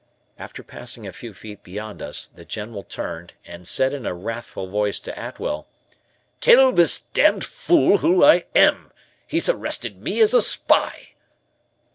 After passing a few feet beyond us, the General turned, and said in a wrathful voice to Atwell: "Tell this d n fool who I am. He's arrested me as a spy."